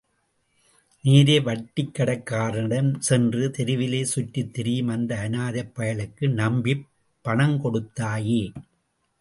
நேரே வட்டிக்கடைக்காரனிடம் சென்று, தெருவிலே சுற்றித்திரியும் அந்த அனாதைப் பயலுக்கு நம்பிப்பணம் கொடுத்தாயே!